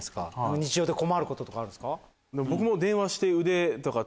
日常で困ることとかあるんですか？